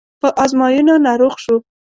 په ازموینو ناروغ شو.